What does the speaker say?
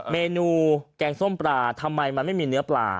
เมนูแกงส้มปลาทำไมมันไม่มีเนื้อปลา